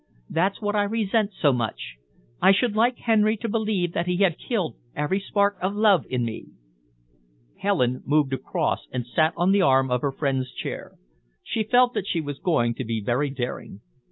"That's what I resent so much. I should like Henry to believe that he had killed every spark of love in me." Helen moved across and sat on the arm of her friend's chair. She felt that she was going to be very daring.